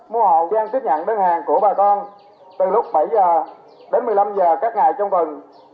mua hậu giang tiếp nhận đơn hàng của bà con từ lúc bảy h đến một mươi năm h các ngày trong tuần